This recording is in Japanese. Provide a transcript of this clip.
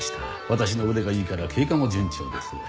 私の腕がいいから経過も順調です。